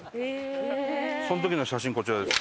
その時の写真こちらです。